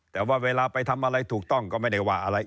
แต่ว่าเวลาไปทำอะไรถูกต้องก็ไม่ได้ว่าอะไร